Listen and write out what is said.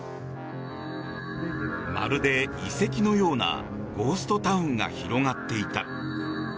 まるで遺跡のようなゴーストタウンが広がっていた。